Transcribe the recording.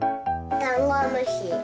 ダンゴムシ。